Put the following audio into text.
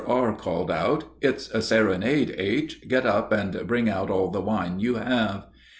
R. called out, "It's a serenade, H. Get up and bring out all the wine you have."